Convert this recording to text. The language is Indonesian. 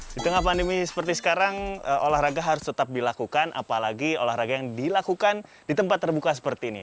di tengah pandemi seperti sekarang olahraga harus tetap dilakukan apalagi olahraga yang dilakukan di tempat terbuka seperti ini